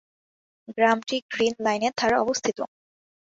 গ্রামটি গ্রীন লাইনের ধারে অবস্থিত।